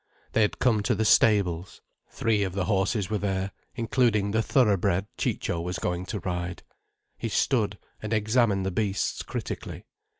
They had come to the stables. Three of the horses were there, including the thoroughbred Ciccio was going to ride. He stood and examined the beasts critically.